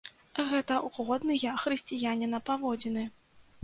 Гэта годныя хрысціяніна паводзіны.